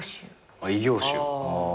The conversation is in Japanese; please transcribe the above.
あっ異業種。